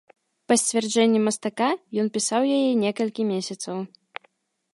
Па сцвярджэнні мастака, ён пісаў яе некалькі месяцаў.